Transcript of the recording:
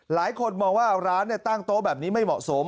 หลายคนมองว่าร้านตั้งโต๊ะแบบนี้ไม่เหมาะสม